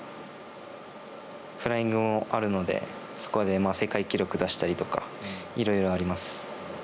フライングもあるのでそこで世界記録、出したりとかいろいろあります。